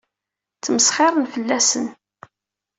Ttmesxiṛen fell-asen.